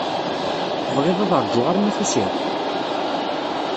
Tebɣiḍ ad ṛjuɣ arma tusiḍ-d?